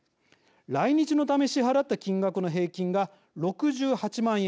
来日のため支払った金額の平均が６８万円。